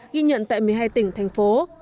ghi nhận tại một mươi hai tỉnh thành phố